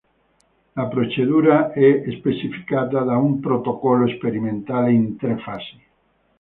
La procedura è specificata da un protocollo sperimentale in tre fasi.